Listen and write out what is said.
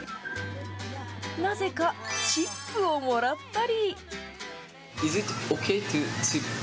なぜかチップをもらったり。